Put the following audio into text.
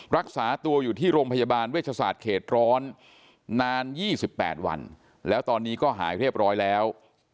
รักษาตัวอยู่ที่โรงพยาบาลเวชศาสตร์เขตร้อนนาน๒๘วันแล้วตอนนี้ก็หายเรียบร้อยแล้ว